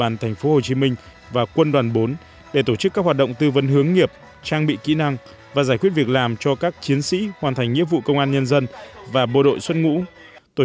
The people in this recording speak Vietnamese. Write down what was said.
năm hai nghìn một mươi chín hà nội đặt mục tiêu giải quyết việc làm cho một trăm năm mươi bốn lao động dưới hai